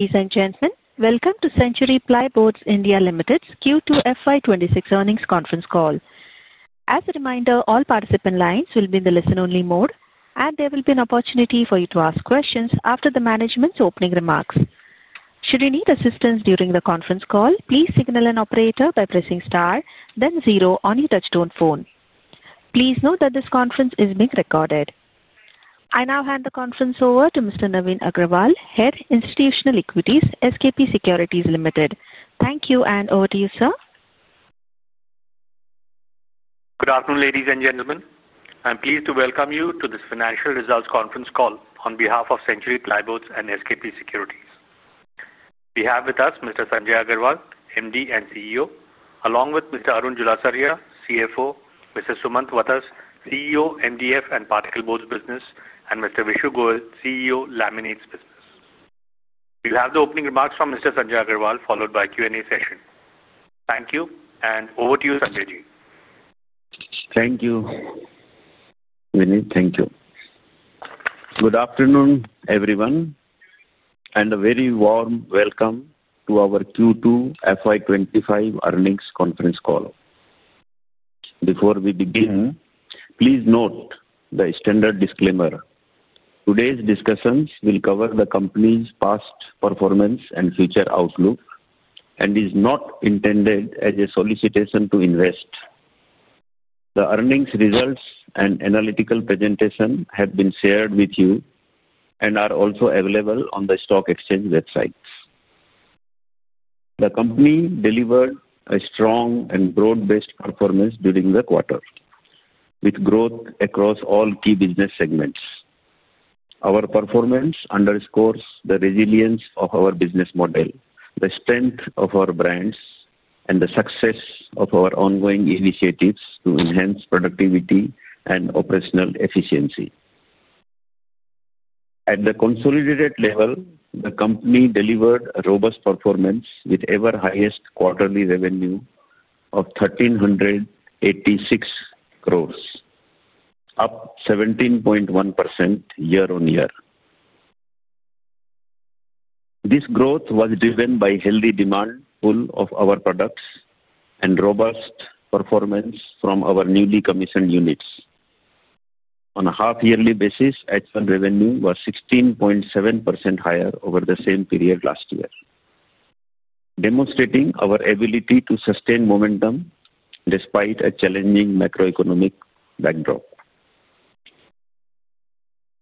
Ladies and gentlemen, welcome to Century Plyboards India Limited's Q2 FY 2026 Earnings conference call. As a reminder, all participant lines will be in the listen-only mode, and there will be an opportunity for you to ask questions after the management's opening remarks. Should you need assistance during the conference call, please signal an operator by pressing star, then zero on your touchstone phone. Please note that this conference is being recorded. I now hand the conference over to Mr. Navin Agrawal, Head, Institutional Equities, SKP Securities Limited. Thank you, and over to you, sir. Good afternoon, ladies and gentlemen. I'm pleased to welcome you to this financial results conference call on behalf of Century Plyboards and SKP Securities. We have with us Mr. Sanjay Agrawal, MD and CEO, along with Mr. Arun Julasaria, CFO, Mr. Sumant Wattas, CEO, MDF and Particle Boards business, and Mr. Vishu Goel, CEO, Laminates business. We'll have the opening remarks from Mr. Sanjay Agrawal followed by a Q&A session. Thank you, and over to you, Sanjay ji. Thank you, Vinny. Thank you. Good afternoon, everyone, and a very warm welcome to our Q2 FY2025 earnings conference call. Before we begin, please note the standard disclaimer. Today's discussions will cover the company's past performance and future outlook, and it is not intended as a solicitation to invest. The earnings results and analytical presentation have been shared with you and are also available on the stock exchange websites. The company delivered a strong and broad-based performance during the quarter, with growth across all key business segments. Our performance underscores the resilience of our business model, the strength of our brands, and the success of our ongoing initiatives to enhance productivity and operational efficiency. At the consolidated level, the company delivered a robust performance with ever-highest quarterly revenue of 1,386 crore, up 17.1% year-on-year. This growth was driven by healthy demand pull of our products and robust performance from our newly commissioned units. On a half-yearly basis, excellent revenue was 16.7% higher over the same period last year, demonstrating our ability to sustain momentum despite a challenging macroeconomic backdrop.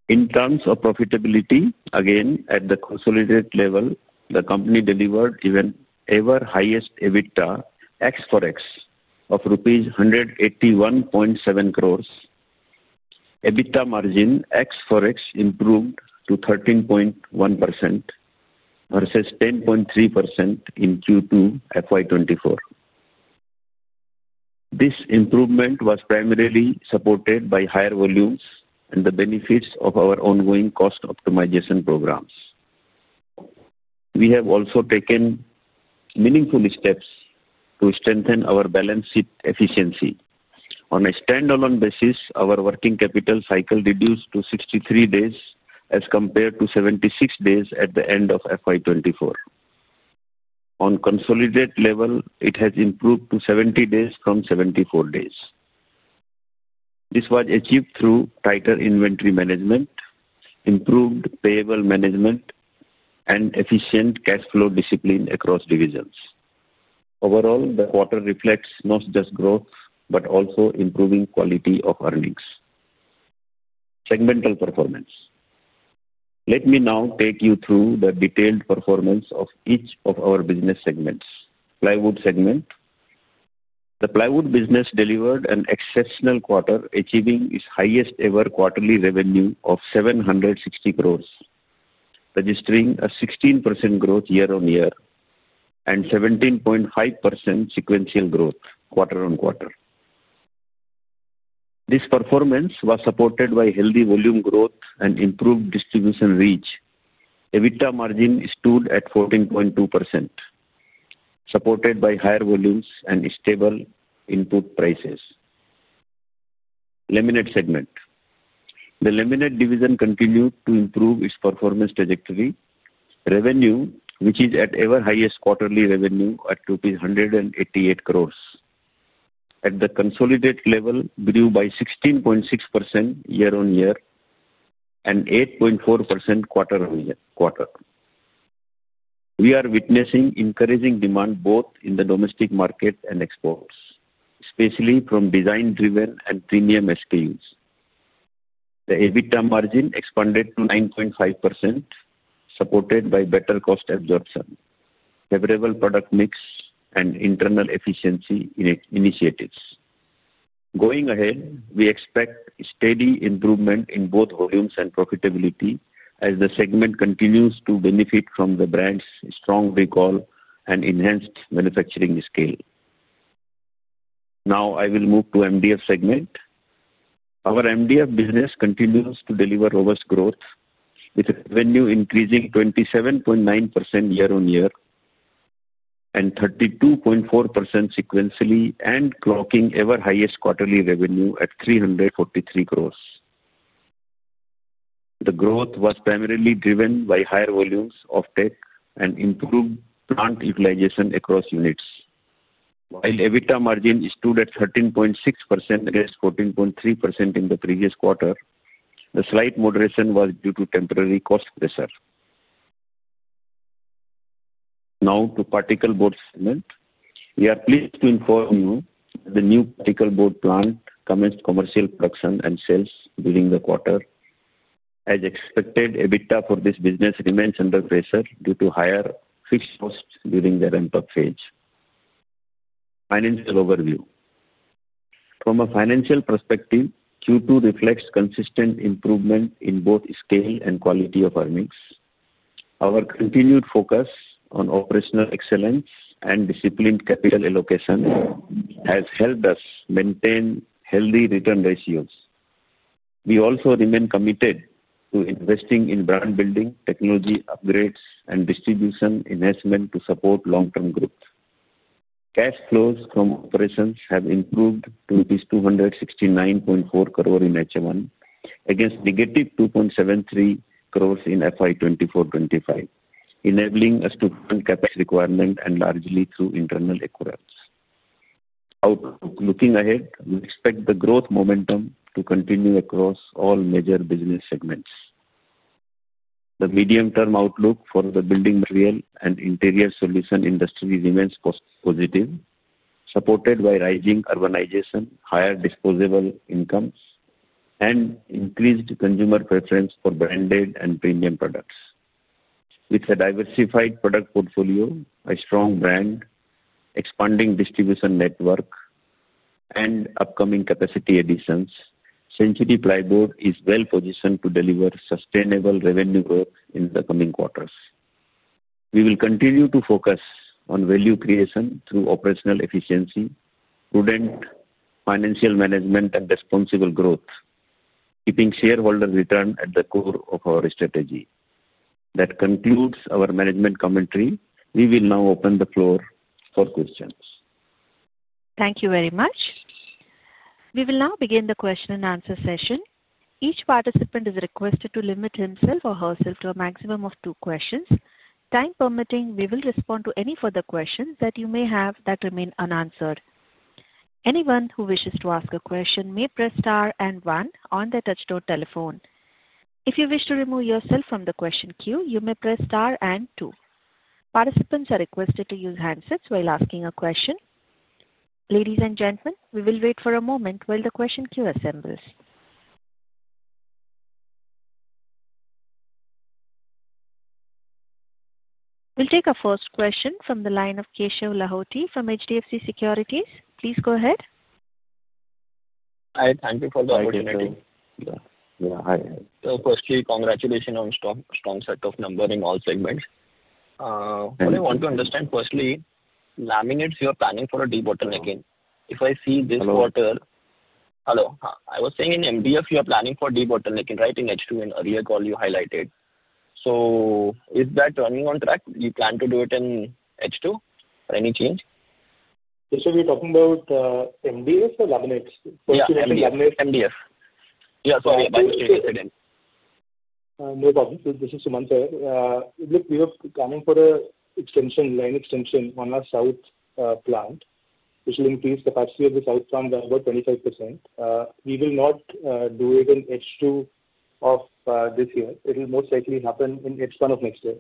In terms of profitability, again, at the consolidated level, the company delivered even ever-highest EBITDA ex-forex of INR 181.7 crore. EBITDA margin ex-forex improved to 13.1% versus 10.3% in Q2 FY 2024. This improvement was primarily supported by higher volumes and the benefits of our ongoing cost optimization programs. We have also taken meaningful steps to strengthen our balance sheet efficiency. On a standalone basis, our working capital cycle reduced to 63 days as compared to 76 days at the end of FY 2024. On consolidated level, it has improved to 70 days from 74 days. This was achieved through tighter inventory management, improved payable management, and efficient cash flow discipline across divisions. Overall, the quarter reflects not just growth but also improving quality of earnings. Segmental performance. Let me now take you through the detailed performance of each of our business segments. Plywood segment. The plywood business delivered an exceptional quarter, achieving its highest-ever quarterly revenue of 760 crore, registering a 16% growth year-on-year and 17.5% sequential growth quarter-on-quarter. This performance was supported by healthy volume growth and improved distribution reach. EBITDA margin stood at 14.2%, supported by higher volumes and stable input prices. Laminate segment. The laminate division continued to improve its performance trajectory. Revenue, which is at ever-highest quarterly revenue, was rupees 188 crore. At the consolidated level, it grew by 16.6% year-on-year and 8.4% quarter-on-quarter. We are witnessing encouraging demand both in the domestic market and exports, especially from design-driven and premium SKUs. The EBITDA margin expanded to 9.5%, supported by better cost absorption, favorable product mix, and internal efficiency initiatives. Going ahead, we expect steady improvement in both volumes and profitability as the segment continues to benefit from the brand's strong recall and enhanced manufacturing scale. Now, I will move to MDF segment. Our MDF business continues to deliver robust growth, with revenue increasing 27.9% year-on-year and 32.4% sequentially, and clocking ever-highest quarterly revenue at 343 crore. The growth was primarily driven by higher volumes of thick and improved plant utilization across units. While EBITDA margin stood at 13.6% against 14.3% in the previous quarter, the slight moderation was due to temporary cost pressure. Now, to particle boards segment. We are pleased to inform you that the new particle board plant commenced commercial production and sales during the quarter. As expected, EBITDA for this business remains under pressure due to higher fixed costs during the ramp-up phase. Financial overview. From a financial perspective, Q2 reflects consistent improvement in both scale and quality of earnings. Our continued focus on operational excellence and disciplined capital allocation has helped us maintain healthy return ratios. We also remain committed to investing in brand building, technology upgrades, and distribution enhancement to support long-term growth. Cash flows from operations have improved to rupees 269.4 crore in H1 against -2.73 crore in FY 2024-2025, enabling us to meet capex requirements largely through internal accruals. Outlook looking ahead, we expect the growth momentum to continue across all major business segments. The medium-term outlook for the building material and interior solution industry remains positive, supported by rising urbanization, higher disposable incomes, and increased consumer preference for branded and premium products. With a diversified product portfolio, a strong brand, expanding distribution network, and upcoming capacity additions, Century Plyboards is well-positioned to deliver sustainable revenue growth in the coming quarters. We will continue to focus on value creation through operational efficiency, prudent financial management, and responsible growth, keeping shareholder return at the core of our strategy. That concludes our management commentary. We will now open the floor for questions. Thank you very much. We will now begin the question-and-answer session. Each participant is requested to limit himself or herself to a maximum of two questions. Time permitting, we will respond to any further questions that you may have that remain unanswered. Anyone who wishes to ask a question may press star and one on their touchstone telephone. If you wish to remove yourself from the question queue, you may press star and two. Participants are requested to use handsets while asking a question. Ladies and gentlemen, we will wait for a moment while the question queue assembles. We'll take a first question from the line of Keshav Lahoti from HDFC Securities. Please go ahead. Hi. Thank you for the opportunity. Good afternoon. Yeah. Hi. So firstly, congratulations on a strong set of numbers in all segments. What I want to understand firstly, laminates, you are planning for a de-bottlenecking. If I see this quarter, hello. I was saying in MDF, you are planning for a de-bottlenecking, right, in H2 in a earlier call you highlighted. So is that running on track? Do you plan to do it in H2? Any change? Keshav, you're talking about MDF or laminates? MDF. MDF. Yeah. Sorry. I didn't hear you. No problem. This is Sumant Wattas. Look, we are planning for a line extension on our south plant, which will increase the capacity of the south plant by about 25%. We will not do it in H2 of this year. It will most likely happen in H1 of next year.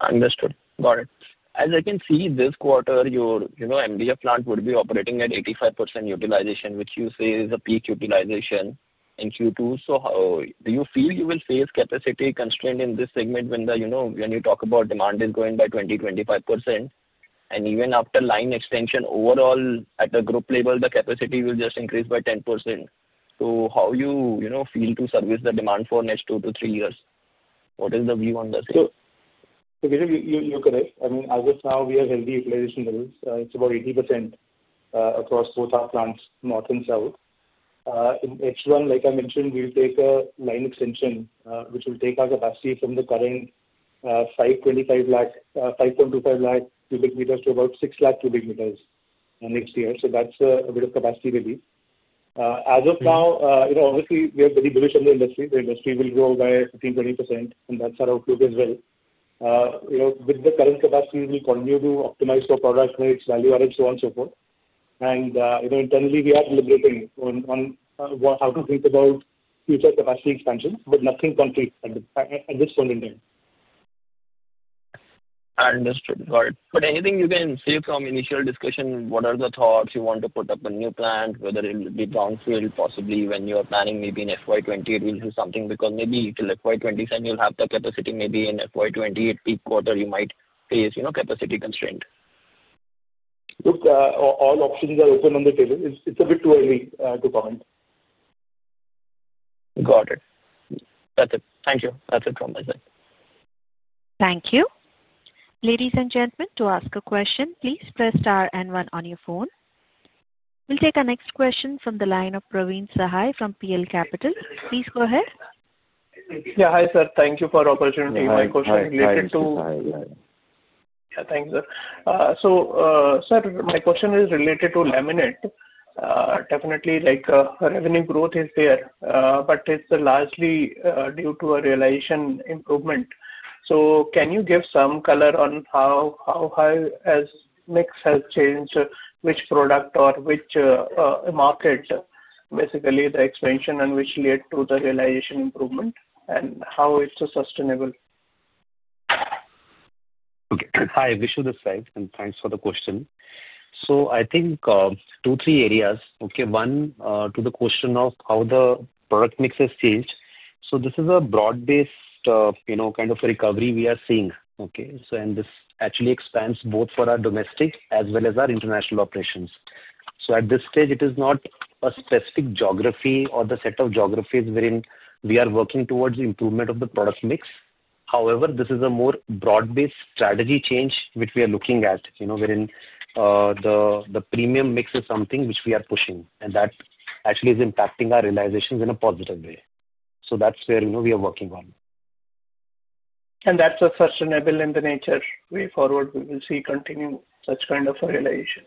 Understood. Got it. As I can see, this quarter, your MDF plant would be operating at 85% utilization, which you say is a peak utilization in Q2. Do you feel you will face capacity constraint in this segment when you talk about demand is going by 20%-25%? Even after line extension, overall, at the group level, the capacity will just increase by 10%. How do you feel to service the demand for next two to three years? What is the view on this? Keshav, you are correct. I mean, as of now, we have healthy utilization levels. It is about 80% across both our plants, north and south. In H1, like I mentioned, we will take a line extension, which will take our capacity from the current 525,000 cubic meters to about 600,000 cubic meters next year. That is a bit of capacity relief. As of now, obviously, we are very bullish on the industry. The industry will grow by 15%-20%, and that is our outlook as well. With the current capacity, we will continue to optimize for product rates, value added, so on and so forth. Internally, we are deliberating on how to think about future capacity expansion, but nothing concrete at this point in time. Understood. Got it. Anything you can say from initial discussion? What are the thoughts? You want to put up a new plant, whether it will be brownfield, possibly when you are planning maybe in FY 2028, will do something? Because maybe till FY 2027, you'll have the capacity. Maybe in FY 2028 peak quarter, you might face capacity constraint. Look, all options are open on the table. It's a bit too early to comment. Got it. That's it. Thank you. That's it from my side. Thank you. Ladies and gentlemen, to ask a question, please press star and one on your phone. We'll take our next question from the line of Praveen Sahay from PL Capital. Please go ahead. Yeah. Hi, sir. Thank you for the opportunity. My question is related to. Hi. Hi. Yeah. Thank you, sir. So sir, my question is related to laminate. Definitely, revenue growth is there, but it's largely due to a realization improvement. Can you give some color on how high as mix has changed, which product or which market, basically, the expansion and which led to the realization improvement, and how it's sustainable? Okay. Hi. Vishu is live, and thanks for the question. I think two, three areas. One, to the question of how the product mix has changed. This is a broad-based kind of recovery we are seeing. This actually expands both for our domestic as well as our international operations. At this stage, it is not a specific geography or the set of geographies wherein we are working towards the improvement of the product mix. However, this is a more broad-based strategy change which we are looking at, wherein the premium mix is something which we are pushing, and that actually is impacting our realizations in a positive way. That is where we are working on. Is that sustainable in nature going forward? Will we continue to see such kind of realization?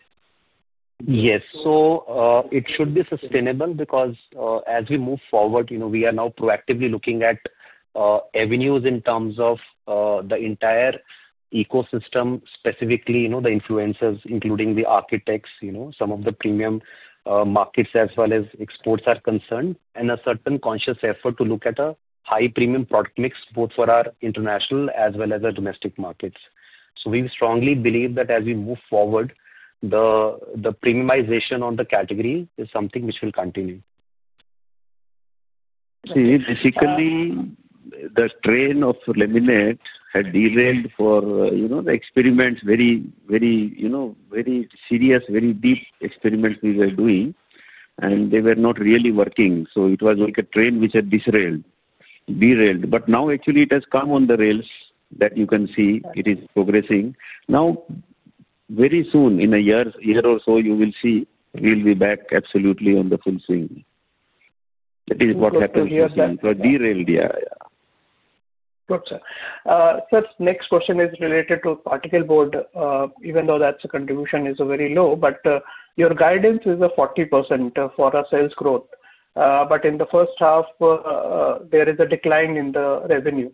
Yes. It should be sustainable because as we move forward, we are now proactively looking at avenues in terms of the entire ecosystem, specifically the influencers, including the architects, some of the premium markets as well as exports are concerned, and a certain conscious effort to look at a high premium product mix both for our international as well as our domestic markets. We strongly believe that as we move forward, the premiumization on the category is something which will continue. See, basically, the train of laminate had derailed for the experiments, very serious, very deep experiments we were doing, and they were not really working. It was like a train which had derailed. Now, actually, it has come on the rails that you can see it is progressing. Very soon, in a year or so, you will see we'll be back absolutely on the full swing. That is what happens with derailed. Yeah. Gotcha. Sir, next question is related to particle board, even though that's a contribution is very low, but your guidance is 40% for our sales growth. In the first half, there is a decline in the revenue.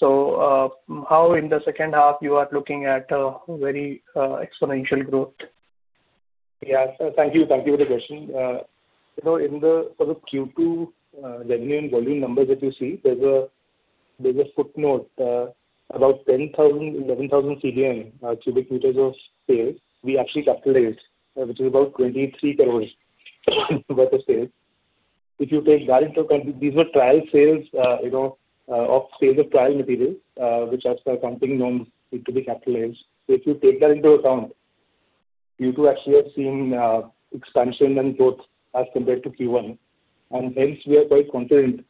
How in the second half you are looking at very exponential growth? Yeah. Thank you. Thank you for the question. In the Q2 revenue and volume numbers that you see, there's a footnote about 10,000-11,000 CBM cubic meters of sales. We actually capitalized, which is about 230 million worth of sales. If you take that into account, these were trial sales of sales of trial materials, which are something known to be capitalized. If you take that into account, you do actually have seen expansion and growth as compared to Q1. Hence, we are quite confident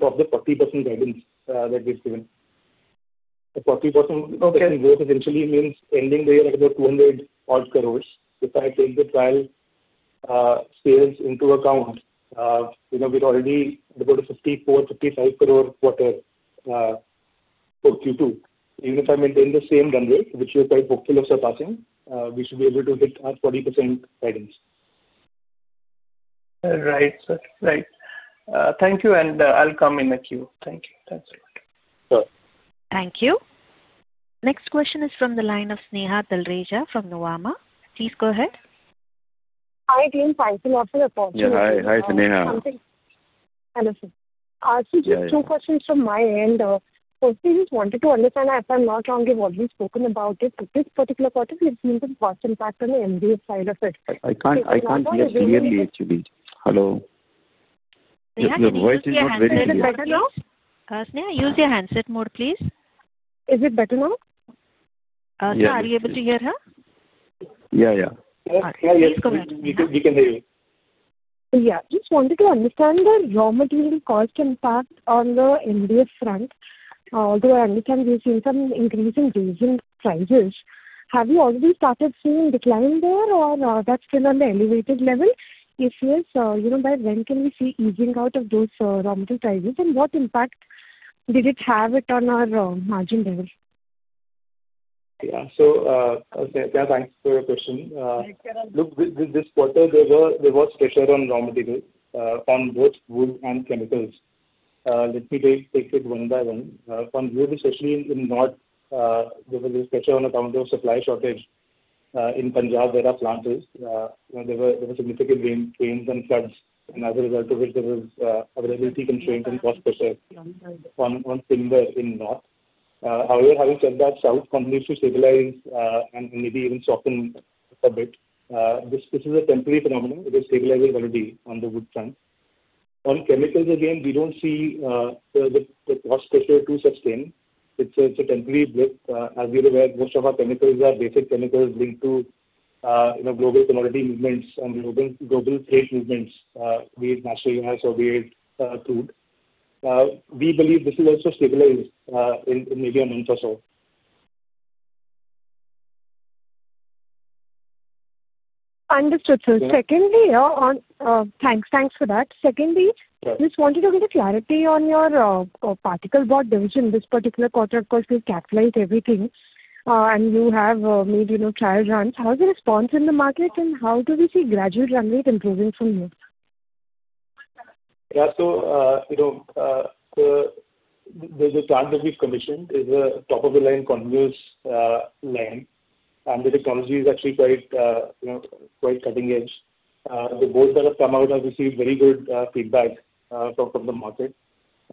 of the 40% guidance that we've given. The 40% growth essentially means ending the year at about 2 billion. If I take the trial sales into account, we're already about 540 million-550 million quarter for Q2. Even if I maintain the same runway, which we are quite hopeful of surpassing, we should be able to hit our 40% guidance. Right. Right. Thank you. I'll come in the queue. Thank you. Thanks a lot. Sure. Thank you. Next question is from the line of Sneha Talreja from Nuvama. Please go ahead. Hi, Dilin. Thank you a lot for the opportunity. Yeah. Hi, Sneha. Hello, sir. I'll say just two questions from my end. Firstly, I just wanted to understand if I'm not wrong in what you've spoken about. This particular quarter, it's been some cost impact on the MDF side of it. I can't hear clearly, actually. Hello. The voice is not very clear. Is it better now? Sneha, use your handset mode, please. Is it better now? Sneha, are you able to hear her? Yeah. Yeah. Yes. Yes. We can hear you. Yeah. Just wanted to understand the raw material cost impact on the MDF front. Although I understand we've seen some increase in diesel prices, have you already started seeing a decline there, or that's still on the elevated level? If yes, by when can we see easing out of those raw material prices? And what impact did it have on our margin level? Yeah. So Sneha, thanks for your question. Look, this quarter, there was pressure on raw materials on both wood and chemicals. Let me take it one by one. On wood, especially in north, there was a pressure on account of supply shortage. In Punjab, there are plants. There were significant rains and floods, and as a result of it, there was availability constraint and cost pressure on timber in north. However, having said that, south continues to stabilize and maybe even soften a bit. This is a temporary phenomenon. It is stabilizing already on the wood front. On chemicals, again, we do not see the cost pressure to sustain. It is a temporary blip, as we are aware. Most of our chemicals are basic chemicals linked to global commodity movements and global trade movements, be it natural gas or be it crude. We believe this will also stabilize in maybe a month or so. Understood. Secondly, thanks for that. Secondly, just wanted a bit of clarity on your particle board division. This particular quarter, of course, we have capitalized everything, and you have made trial runs. How is the response in the market, and how do we see gradually run rate improving from here? Yeah. The plant that we've commissioned is a top-of-the-line continuous line, and the technology is actually quite cutting edge. The boards that have come out have received very good feedback from the market.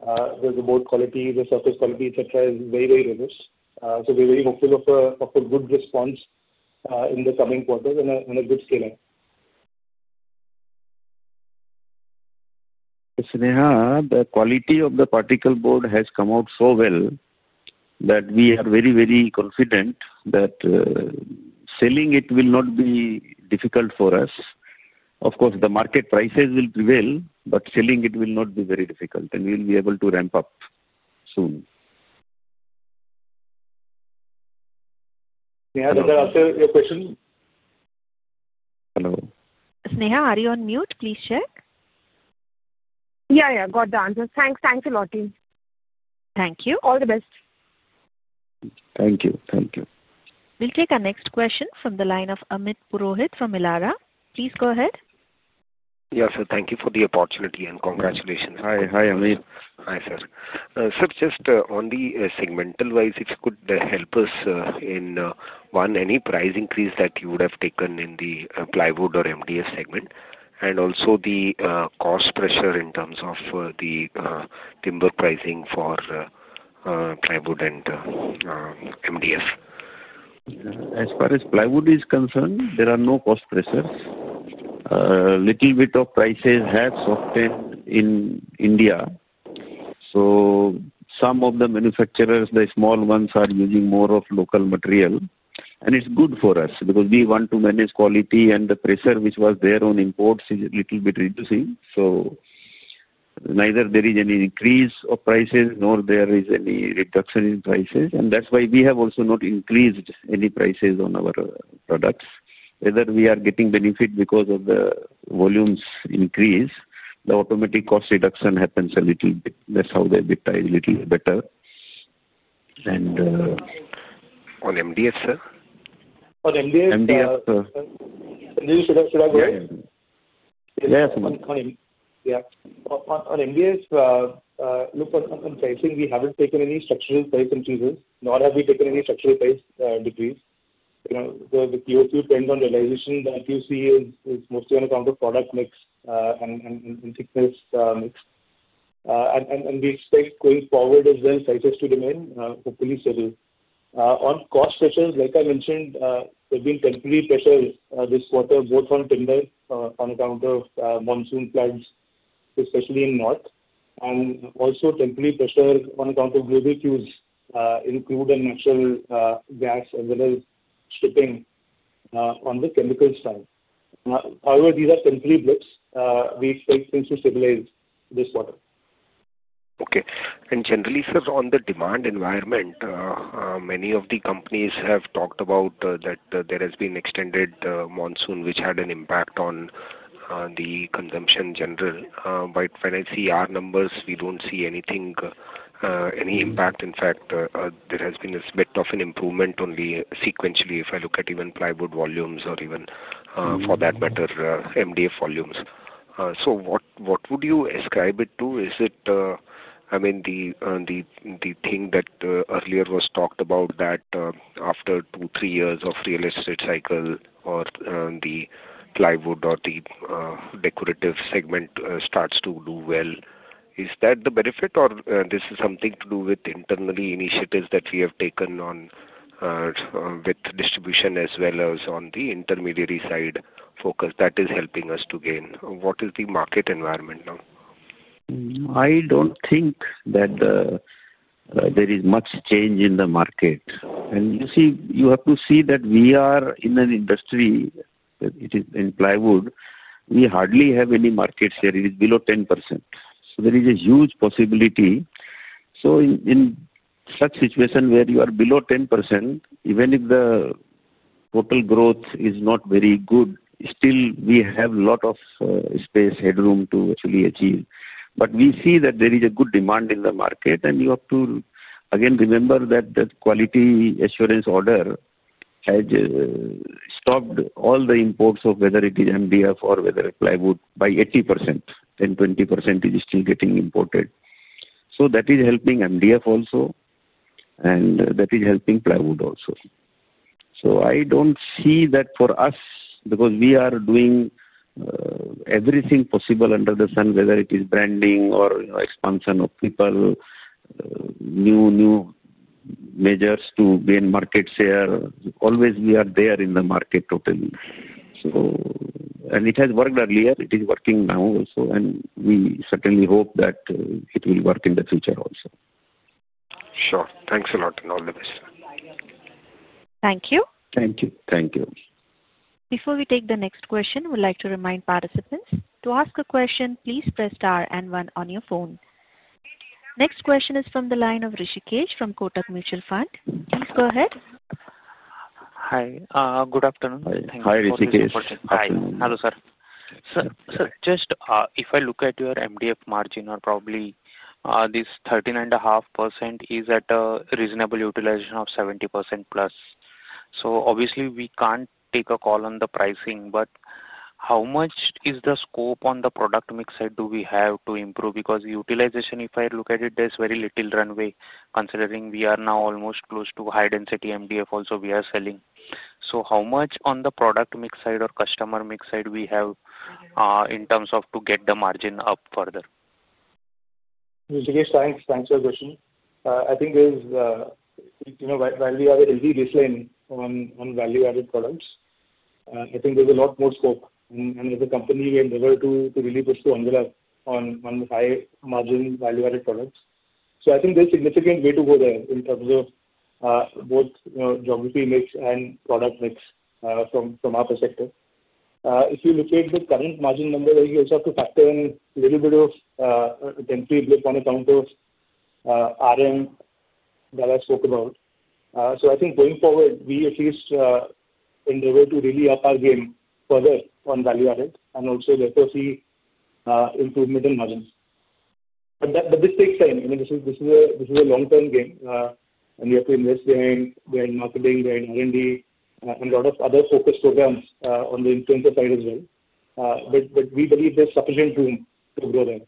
The board quality, the surface quality, etc., is very, very rigorous. We are very hopeful of a good response in the coming quarters and a good scale-up. Sneha, the quality of the particle board has come out so well that we are very, very confident that selling it will not be difficult for us. Of course, the market prices will prevail, but selling it will not be very difficult, and we'll be able to ramp up soon. Sneha, did I answer your question? Hello. Sneha, are you on mute? Please check. Yeah. Yeah. Got the answer. Thanks. Thanks a lot, team. Thank you. All the best. Thank you. Thank you. We'll take our next question from the line of Amit Purohit from Elara. Please go ahead. Yeah. Sir, thank you for the opportunity and congratulations. Hi. Hi, Amit. Hi, sir. Sir, just on the segmental wise, if you could help us in, one, any price increase that you would have taken in the plywood or MDF segment, and also the cost pressure in terms of the timber pricing for plywood and MDF? As far as plywood is concerned, there are no cost pressures. A little bit of prices have softened in India. Some of the manufacturers, the small ones, are using more of local material, and it is good for us because we want to manage quality, and the pressure which was there on imports is a little bit reducing. Neither there is any increase of prices, nor there is any reduction in prices. That is why we have also not increased any prices on our products. Whether we are getting benefit because of the volumes increase, the automatic cost reduction happens a little bit. That is how they have been tied a little bit better. On MDF, sir? On MDF, sir. MDF, sir. Should I go ahead? Yeah. Yeah. On MDF, look, on pricing, we haven't taken any structural price increases, nor have we taken any structural price decrease. The Q2 trend on realization that you see is mostly on account of product mix and thickness mix. We expect going forward as well, prices to remain, hopefully, stable. On cost pressures, like I mentioned, there have been temporary pressures this quarter, both on timber on account of monsoon floods, especially in north, and also temporary pressure on account of global cues, including natural gas as well as stripping on the chemical side. However, these are temporary blips. We expect things to stabilize this quarter. Okay. Generally, sir, on the demand environment, many of the companies have talked about that there has been extended monsoon, which had an impact on the consumption generally. When I see our numbers, we do not see any impact. In fact, there has been a bit of an improvement only sequentially if I look at even plywood volumes or even, for that matter, MDF volumes. What would you ascribe it to? Is it, I mean, the thing that earlier was talked about that after two, three years of real estate cycle or the plywood or the decorative segment starts to do well? Is that the benefit, or this is something to do with internal initiatives that we have taken on with distribution as well as on the intermediary side focus that is helping us to gain? What is the market environment now? I don't think that there is much change in the market. You see, you have to see that we are in an industry that is in plywood. We hardly have any market share. It is below 10%. There is a huge possibility. In such situation where you are below 10%, even if the total growth is not very good, still we have a lot of space, headroom to actually achieve. We see that there is a good demand in the market, and you have to, again, remember that the quality assurance order has stopped all the imports of whether it is MDF or whether it's plywood by 80%. 10%-20% is still getting imported. That is helping MDF also, and that is helping plywood also. I don't see that for us because we are doing everything possible under the sun, whether it is branding or expansion of people, new measures to gain market share. Always, we are there in the market totally. It has worked earlier. It is working now also, and we certainly hope that it will work in the future also. Sure. Thanks a lot and all the best, sir. Thank you. Thank you. Thank you. Before we take the next question, we'd like to remind participants to ask a question. Please press star and one on your phone. Next question is from the line of Rishikesh from Kotak Mutual Fund. Please go ahead. Hi. Good afternoon. Hi, Rishikesh. Hi. Hello, sir. Sir, just if I look at your MDF margin, probably this 13.5% is at a reasonable utilization of 70% plus. Obviously, we can't take a call on the pricing, but how much is the scope on the product mix side do we have to improve? Because utilization, if I look at it, there's very little runway, considering we are now almost close to high-density MDF also we are selling. How much on the product mix side or customer mix side do we have in terms of to get the margin up further? Rishikesh, thanks for the question. I think there is, while we are a heavy baseline on value-added products, I think there's a lot more scope. As a company, we endeavor to really push to unravel on the high-margin value-added products. I think there's significant way to go there in terms of both geography mix and product mix from our perspective. If you look at the current margin number, you also have to factor in a little bit of a temporary blip on account of RM that I spoke about. I think going forward, we at least endeavor to really up our game further on value-added and also therefore see improvement in margins. This takes time. I mean, this is a long-term game, and we have to invest behind marketing, behind R&D, and a lot of other focus programs on the influencer side as well. We believe there's sufficient room to grow there.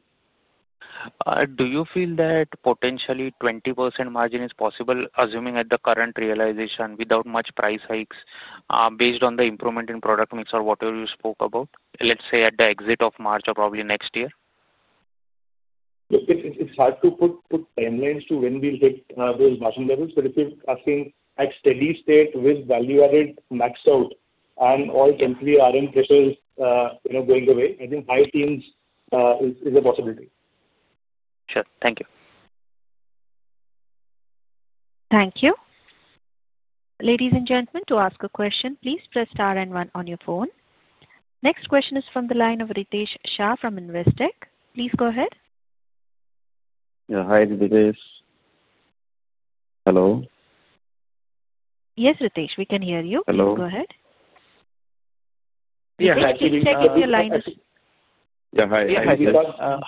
Do you feel that potentially 20% margin is possible, assuming at the current realization without much price hikes based on the improvement in product mix or whatever you spoke about, let's say at the exit of March or probably next year? It's hard to put timelines to when we'll hit those margin levels. If you're asking at steady state with value-added maxed out and all temporary RM pressures going away, I think high teens is a possibility. Sure. Thank you. Thank you. Ladies and gentlemen, to ask a question, please press star and one on your phone. Next question is from the line of Ritesh Shah from Investec. Please go ahead. Yeah. Hi, Ritesh. Hello. Yes, Ritesh. We can hear you. Hello. Please go ahead. Yes, actually, we can hear you. Please check if your line is. Yeah. Hi. Yes, Ritesh.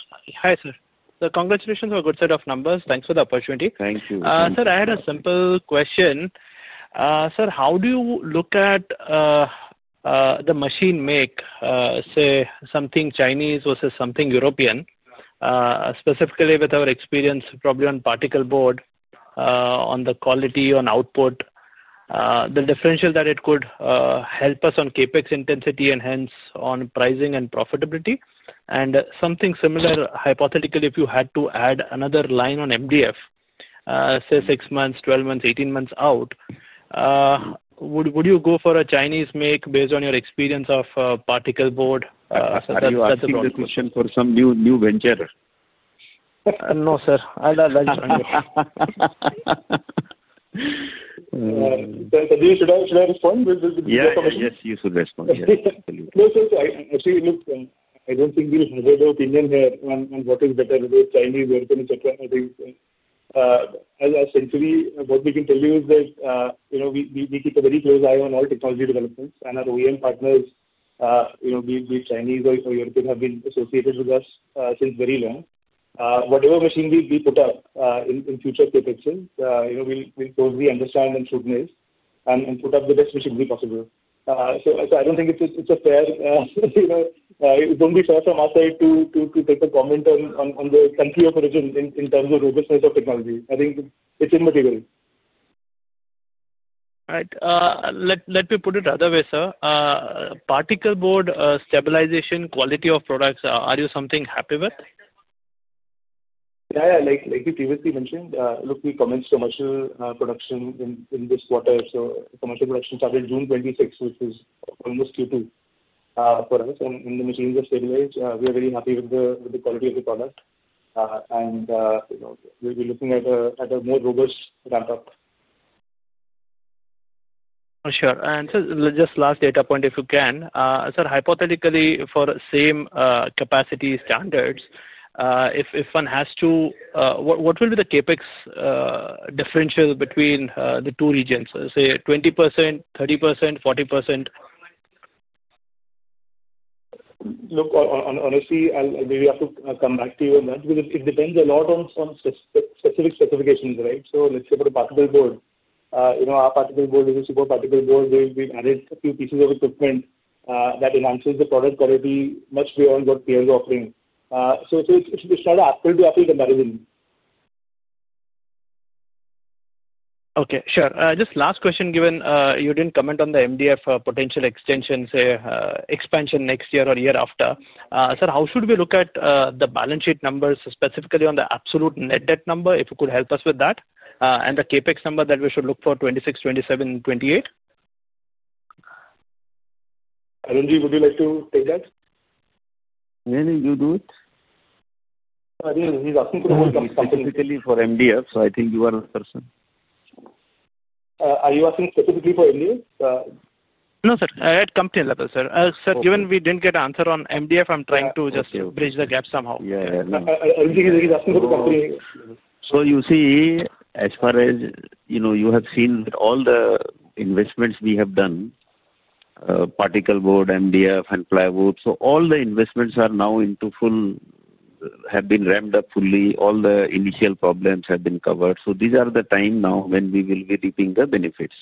Hi, sir. Congratulations on a good set of numbers. Thanks for the opportunity. Thank you. Sir, I had a simple question. Sir, how do you look at the machine make, say, something Chinese versus something European, specifically with our experience probably on particle board, on the quality on output, the differential that it could help us on Capex intensity and hence on pricing and profitability? Something similar, hypothetically, if you had to add another line on MDF, say, 6 months, 12 months, 18 months out, would you go for a Chinese make based on your experience of particle board? I think that's a good question for some new venture. No, sir. I'll answer you. Should I respond? Yeah. Yes, you should respond. Yes. No, sir. Actually, look, I don't think we'll have a better opinion here on what is better, whether it's Chinese or European, etc. I think as temporary, what we can tell you is that we keep a very close eye on all technology developments, and our OEM partners, be it Chinese or European, have been associated with us since very long. Whatever machine we put up in future Capexes, we'll totally understand and scrutinize and put up the best machinery possible. I don't think it would be fair from our side to take a comment on the country of origin in terms of robustness of technology. I think it's immaterial. All right. Let me put it another way, sir. Particle board stabilization, quality of products, are you something happy with? Yeah. Yeah. Like you previously mentioned, look, we commenced commercial production in this quarter. Commercial production started June 26, which is almost Q2 for us. The machines are stabilized. We are very happy with the quality of the product, and we're looking at a more robust ramp-up. For sure. And just last data point, if you can. Sir, hypothetically, for same capacity standards, if one has to, what will be the Capex differential between the two regions? Say, 20%, 30%, 40%? Look, honestly, I maybe have to come back to you on that because it depends a lot on specific specifications, right? Let's say for the particle board, our particle board is a super particle board. We've added a few pieces of equipment that enhances the product quality much beyond what players are offering. It's not an apple-to-apple comparison. Okay. Sure. Just last question, given you didn't comment on the MDF potential extension, say, expansion next year or year after. Sir, how should we look at the balance sheet numbers, specifically on the absolute net debt number, if you could help us with that, and the Capex number that we should look for 2026, 2027, 2028? Anandji, would you like to take that? Yeah. You do it. I think he's asking for the whole company. Specifically for MDF, I think you are the person. Are you asking specifically for MDF? No, sir. I had company level, sir. Sir, given we did not get an answer on MDF, I am trying to just bridge the gap somehow. Yeah. I think he's asking for the company. You see, as far as you have seen, all the investments we have done, particle board, MDF, and plywood, all the investments are now into full, have been ramped up fully. All the initial problems have been covered. These are the times now when we will be reaping the benefits.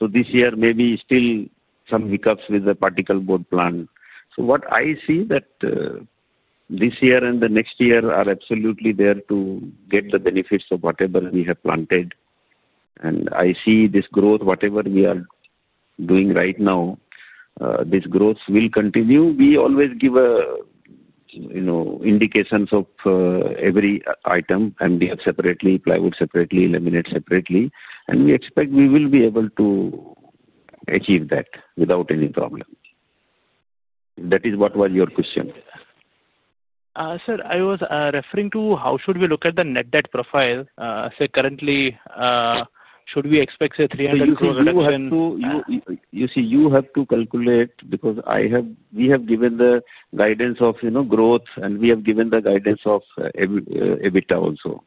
This year, maybe still some hiccups with the particle board plant. What I see is that this year and the next year are absolutely there to get the benefits of whatever we have planted. I see this growth, whatever we are doing right now, this growth will continue. We always give indications of every item, MDF separately, plywood separately, laminate separately. We expect we will be able to achieve that without any problem. That is what was your question. Sir, I was referring to how should we look at the net debt profile? Say, currently, should we expect, say, 300 crore? You see, you have to calculate because we have given the guidance of growth, and we have given the guidance of EBITDA also.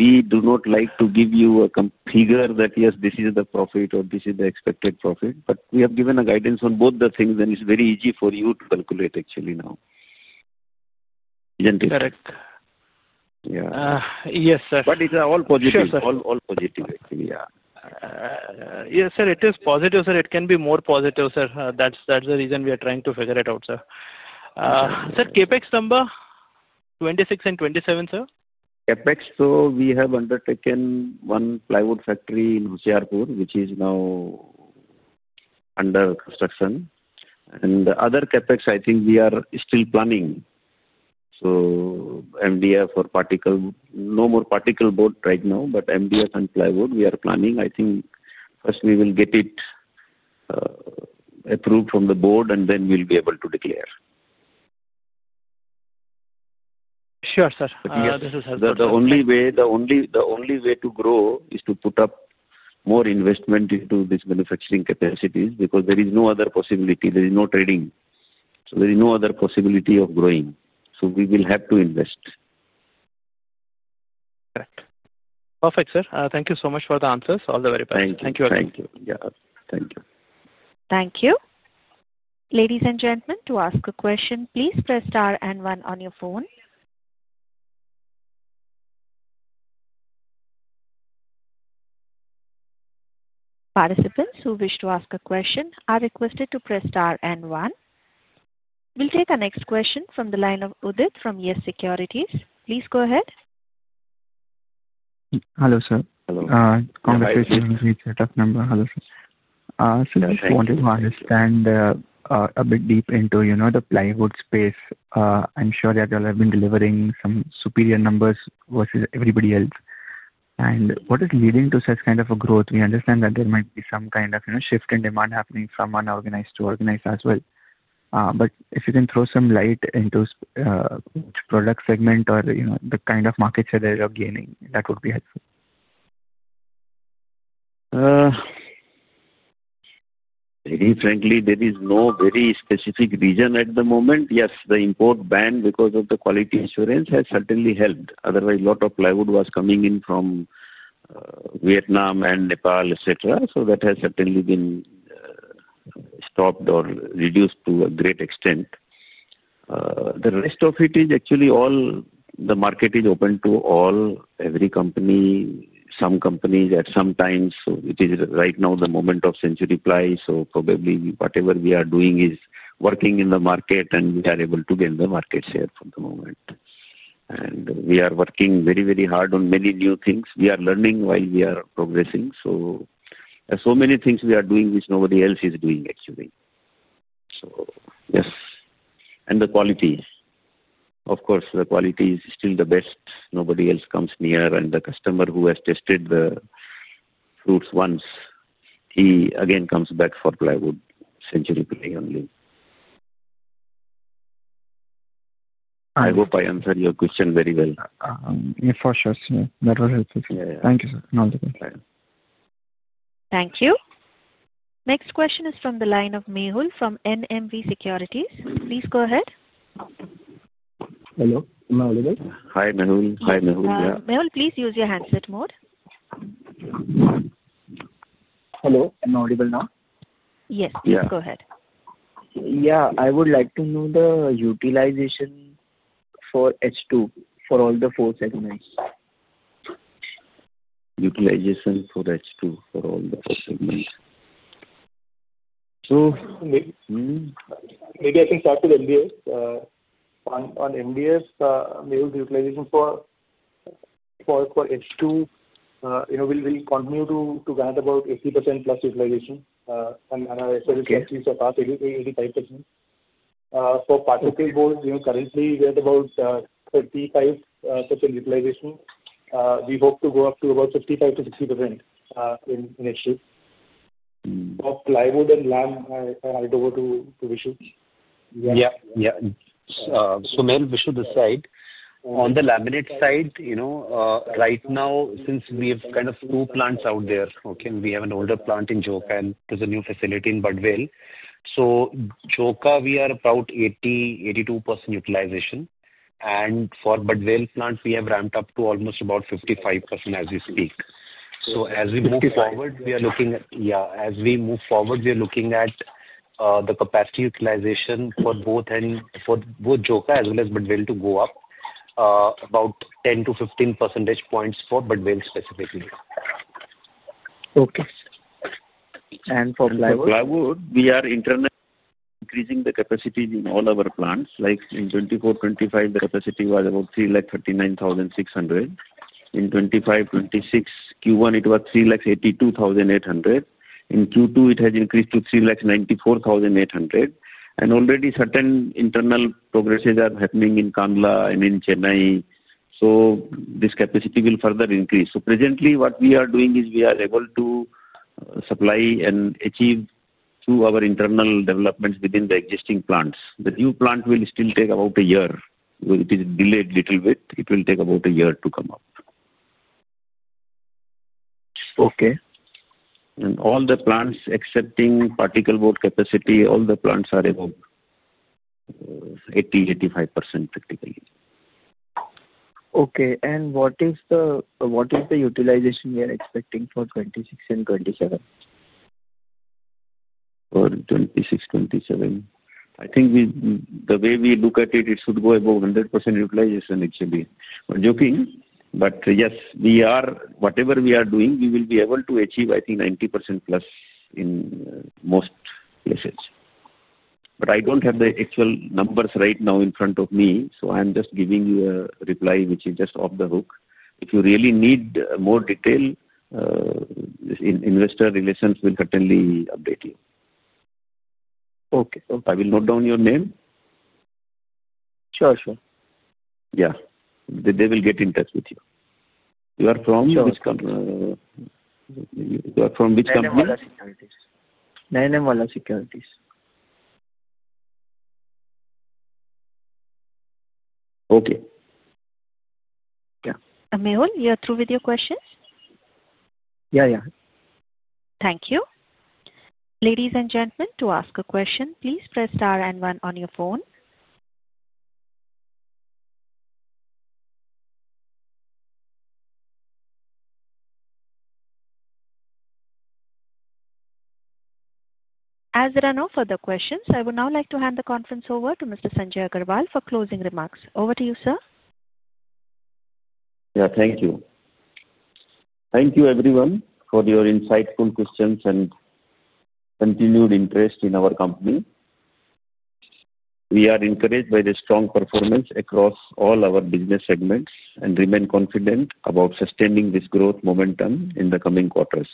We do not like to give you a figure that, yes, this is the profit or this is the expected profit. We have given a guidance on both the things, and it's very easy for you to calculate actually now. Correct. Yeah. Yes, sir. It is all positive. Sure, sir. All positive, actually. Yeah. Yes, sir. It is positive, sir. It can be more positive, sir. That's the reason we are trying to figure it out, sir. Sir, Capex number 26 and 27, sir? Capex, we have undertaken one plywood factory in Hoshiarpur, which is now under construction. The other Capex, I think we are still planning. MDF or particle, no more particle board right now, but MDF and plywood, we are planning. I think first we will get it approved from the board, and then we'll be able to declare. Sure, sir. The only way to grow is to put up more investment into these manufacturing capacities because there is no other possibility. There is no trading. There is no other possibility of growing. We will have to invest. Correct. Perfect, sir. Thank you so much for the answers. All the very best. Thank you. Thank you again. Thank you. Yeah, thank you. Thank you. Ladies and gentlemen, to ask a question, please press star and one on your phone. Participants who wish to ask a question are requested to press star and one. We'll take a next question from the line of Udit from YES Securities. Please go ahead. Hello, sir. Hello. Congratulations on the new setup number. Hello, sir. I just wanted to understand a bit deep into the plywood space. I'm sure that you all have been delivering some superior numbers versus everybody else. What is leading to such kind of a growth? We understand that there might be some kind of shift in demand happening from unorganized to organized as well. If you can throw some light into which product segment or the kind of markets that you are gaining, that would be helpful. Frankly, there is no very specific reason at the moment. Yes, the import ban because of the quality assurance has certainly helped. Otherwise, a lot of plywood was coming in from Vietnam and Nepal, etc. That has certainly been stopped or reduced to a great extent. The rest of it is actually all the market is open to all, every company, some companies at some times. It is right now the moment of Century Plyboards. Probably whatever we are doing is working in the market, and we are able to gain the market share for the moment. We are working very, very hard on many new things. We are learning while we are progressing. There are so many things we are doing which nobody else is doing actually. Yes. And the quality. Of course, the quality is still the best. Nobody else comes near. The customer who has tested the fruits once, he again comes back for Century Ply only. I hope I answered your question very well. Yeah. For sure. That was helpful. Yeah. Yeah. Thank you, sir. No other questions. Yeah. Thank you. Next question is from the line of Mehul from NMV Securities. Please go ahead. Hello. Am I audible? Hi, Mehul. Yeah. Mehul, please use your handset mode. Hello. Am I audible now? Yes. Please go ahead. Yeah. I would like to know the utilization for H2 for all the four segments. Utilization for H2 for all the four segments. Maybe I can start with MDF. On MDF, Mehul's utilization for H2, we'll continue to guide about 80% plus utilization. And our SRE subsidies are past 85%. For particle boards, currently we're at about 35% utilization. We hope to go up to about 55-60% in H2. Of plywood and lam, I'll go over to Vishu. Yeah. Yeah. So Mehul, Vishu this side. On the laminate side, right now, since we have kind of two plants out there, okay, we have an older plant in Joka. And there is a new facility in Badvel. So Joka, we are about 80-82% utilization. And for Badvel plant, we have ramped up to almost about 55% as we speak. As we move forward, we are looking at. 55%? Yeah. As we move forward, we are looking at the capacity utilization for both Joka as well as Badvel to go up about 10-15 percentage points for Badvel specifically. Okay. For plywood? For plywood, we are increasing the capacity in all our plants. Like in 2024-2025, the capacity was about 339,600. In 2025-2026, Q1, it was 382,800. In Q2, it has increased to 394,800. Already certain internal progresses are happening in Kandla and in Chennai. This capacity will further increase. Presently, what we are doing is we are able to supply and achieve through our internal developments within the existing plants. The new plant will still take about a year. It is delayed a little bit. It will take about a year to come up. Okay. All the plants excepting particle board capacity, all the plants are above 80-85% practically. Okay. What is the utilization we are expecting for 2026 and 2027? For 2026, 2027, I think the way we look at it, it should go above 100% utilization actually. Yes, whatever we are doing, we will be able to achieve, I think, 90% plus in most places. I do not have the actual numbers right now in front of me, so I am just giving you a reply which is just off the hook. If you really need more detail, investor relations will certainly update you. Okay. I will note down your name. Sure. Sure. Yeah. They will get in touch with you. You are from which company? NMV Securities. Okay. Yeah. Mehul, you are through with your questions? Yeah. Yeah. Thank you. Ladies and gentlemen, to ask a question, please press star and one on your phone. As there are no further questions, I would now like to hand the conference over to Mr. Sanjay Agrawal for closing remarks. Over to you, sir. Thank you. Thank you, everyone, for your insightful questions and continued interest in our company. We are encouraged by the strong performance across all our business segments and remain confident about sustaining this growth momentum in the coming quarters.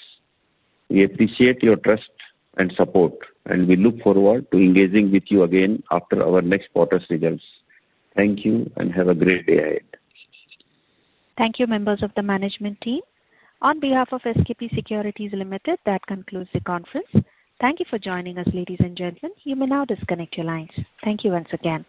We appreciate your trust and support, and we look forward to engaging with you again after our next quarter's results. Thank you and have a great day ahead. Thank you, members of the management team. On behalf of SKP Securities Limited, that concludes the conference. Thank you for joining us, ladies and gentlemen. You may now disconnect your lines. Thank you once again.